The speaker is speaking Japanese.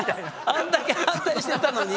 あんだけ反対してたのに。